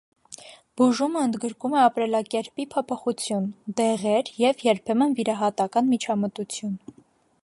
Բուժումը ընդգրկում է ապրելակերպի փոփոխություն, դեղեր և երբեմն վիրահատական միջամտություն։